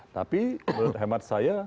tapi menurut hemat saya